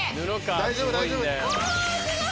大丈夫大丈夫。